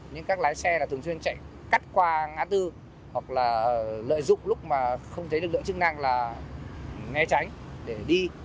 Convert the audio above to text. nhưng các lái xe là thường xuyên chạy cắt qua ngã tư hoặc là lợi dụng lúc mà không thấy lực lượng chức năng là né tránh để đi